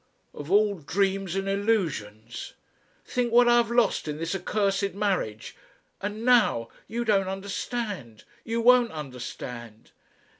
"Of all dreams and illusions!... Think what I have lost in this accursed marriage. And now ... You don't understand you won't understand."